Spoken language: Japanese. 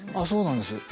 そうなんです。